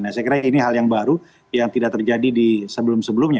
nah saya kira ini hal yang baru yang tidak terjadi di sebelum sebelumnya